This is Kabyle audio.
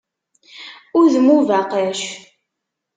Udem ubaqac.